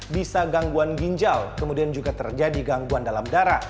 bisa gangguan ginjal kemudian juga terjadi gangguan dalam darah